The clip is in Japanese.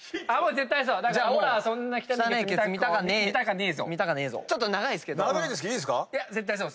絶対そうです。